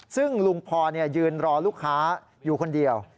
ซึ่งลุงพรยืนรอลูกค้าอยู่คนเดียว